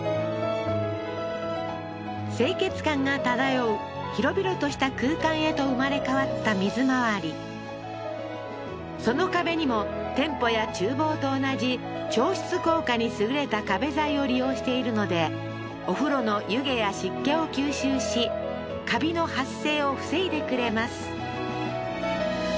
清潔感が漂う広々とした空間へと生まれ変わった水回りその壁にも店舗や厨房と同じ調湿効果に優れた壁材を利用しているのでお風呂の湯気や湿気を吸収しカビの発生を防いでくれます